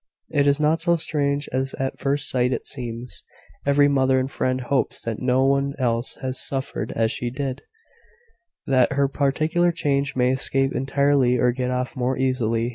"It is not so strange as at first sight it seems. Every mother and friend hopes that no one else has suffered as she did that her particular charge may escape entirely, or get off more easily.